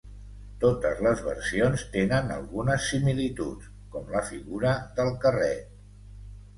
Totes les versions tenen algunes similituds, com la figura del carret.